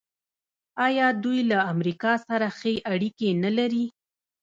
آیا دوی له امریکا سره ښې اړیکې نلري؟